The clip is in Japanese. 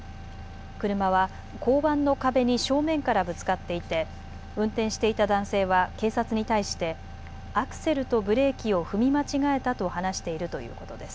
車は交番の壁に正面からぶつかっていて運転していた男性は警察に対してアクセルとブレーキを踏み間違えたと話しているということです。